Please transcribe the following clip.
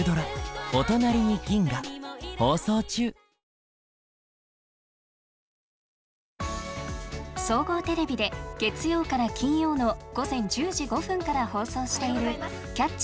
放送中総合テレビで月曜から金曜の午前１０時５分から放送している「キャッチ！